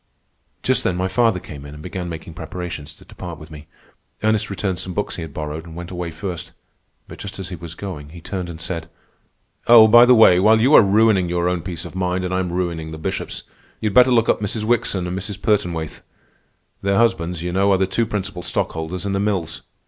Just then my father came in and began making preparations to depart with me. Ernest returned some books he had borrowed, and went away first. But just as he was going, he turned and said: "Oh, by the way, while you are ruining your own peace of mind and I am ruining the Bishop's, you'd better look up Mrs. Wickson and Mrs. Pertonwaithe. Their husbands, you know, are the two principal stockholders in the Mills.